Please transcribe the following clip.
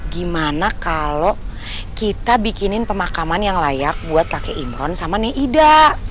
gimana kalau kita bikinin pemakaman yang layak buat kakek imron sama nih ida